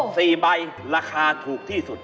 อู้๔ใบราคาถูกที่สุด